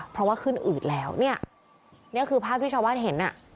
เพราะว่าขึ้นอืดแล้วเนี่ยนี่คือภาพที่ชาวบ้านเห็นอ่ะ